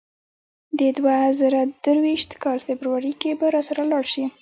د دوه زره درویشت کال فبرورۍ کې به راسره لاړ شې.